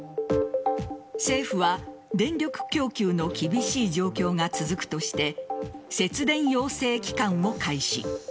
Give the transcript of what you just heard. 政府は電力供給の厳しい状況が続くとして節電要請期間を開始。